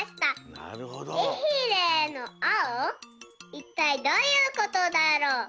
いったいどういうことだろう」。